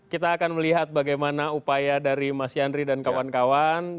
kita akan melihat bagaimana upaya dari mas yandri dan kawan kawan